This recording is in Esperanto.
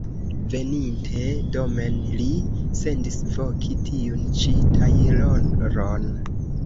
Veninte domen li sendis voki tiun ĉi tajloron.